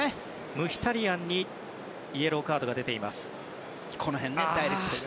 ムヒタリアンにイエローカードが出ています。